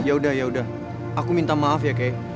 yaudah yaudah aku minta maaf ya kei